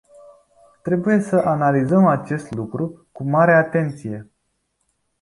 Trebuie să analizăm acest lucru cu mare atenție.